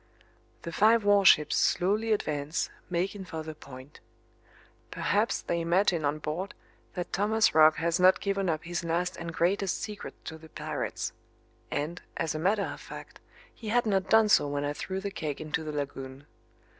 The five warships slowly advance, making for the point. Perhaps they imagine on board that Thomas Roch has not given up his last and greatest secret to the pirates and, as a matter of fact, he had not done so when I threw the keg into the lagoon.